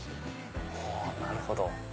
なるほど。